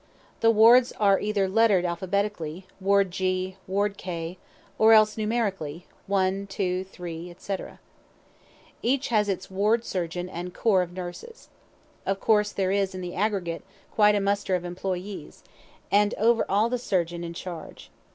The wards are either letter'd alphabetically, ward G, ward K, or else numerically, 1, 2, 3, &c. Each has its ward surgeon and corps of nurses. Of course, there is, in the aggregate, quite a muster of employes, and over all the surgeon in charge.